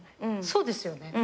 そうですよね？